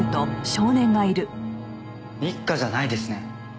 一課じゃないですね。